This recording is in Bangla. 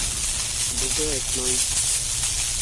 দুটো এক নয়।